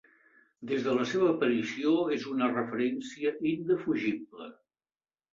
Des de la seva aparició és una referència indefugible.